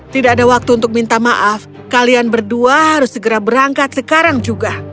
tidak ada waktu untuk minta maaf kalian berdua harus segera berangkat sekarang juga